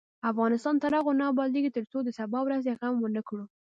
افغانستان تر هغو نه ابادیږي، ترڅو د سبا ورځې غم ونکړو.